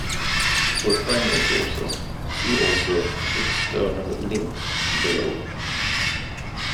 "For primary sources, see also" External links "below"